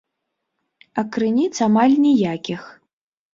А крыніц амаль ніякіх.